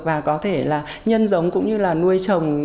và có thể là nhân giống cũng như là nuôi trồng